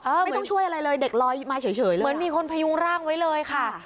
ไม่ต้องช่วยอะไรเลยเด็กลอยมาเฉยเลยเหมือนมีคนพยุงร่างไว้เลยค่ะ